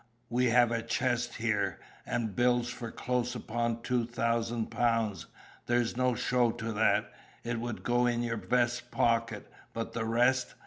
we have a chest here, and bills for close upon two thousand pounds; there's no show to that, it would go in your vest pocket, but the rest!